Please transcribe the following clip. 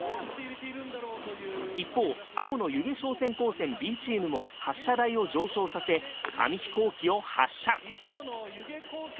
一方青の弓削商船高専Ｂチームも発射台を上昇させ紙飛行機を発射。